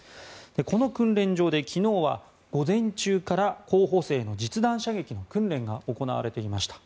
この訓練場で昨日は午前中から候補生の実弾射撃の訓練が行われていました。